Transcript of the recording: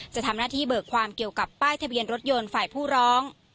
จะทำหน้าที่เบิกความเกี่ยวกับป้ายทะเบียนรถยนต์ฝ่ายผู้ร้อง